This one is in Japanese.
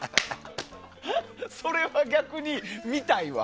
それは逆に見たいわ。